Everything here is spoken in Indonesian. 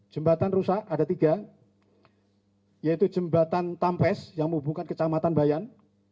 jembatan rusak ada tiga yaitu jembatan tampes yang menghubungkan kecamatan bayan